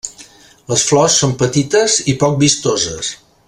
Les flors són petites i poc vistoses.